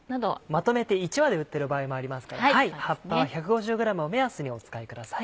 まとめて１把で売ってる場合もありますから葉っぱは１５０ｇを目安にお使いください。